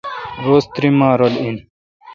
روز تئری ماہ رل این